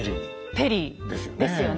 ペリーですよね。